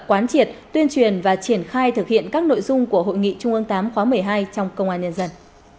quán triệt tuyên truyền và triển khai thực hiện các nội dung của hội nghị trung ương viii khóa một mươi hai trong công an nhân dân